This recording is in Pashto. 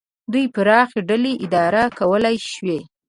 دوی پراخې ډلې اداره کولای شوای.